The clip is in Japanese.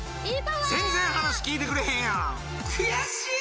全然話聞いてくれへんやん悔しい！